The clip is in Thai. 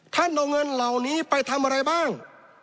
ท่านเอาเงินเหล่านี้ไปทำอะไรบ้าง